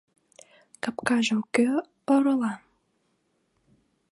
— Капкажым кӧ орола?